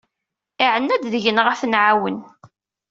Iɛenna-d deg-neɣ ad t-nɛawen.